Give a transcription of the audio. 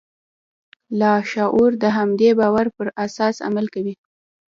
لاشعور د همدې باور پر اساس عمل کوي.